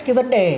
cái vấn đề